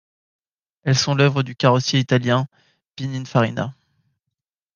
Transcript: Elles sont l'œuvre du carrossier italien Pininfarina.